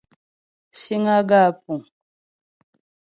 Síŋ á gaə̂ ǎ pùŋ.